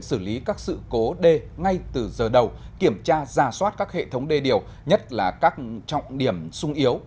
xử lý các sự cố đê ngay từ giờ đầu kiểm tra ra soát các hệ thống đê điều nhất là các trọng điểm sung yếu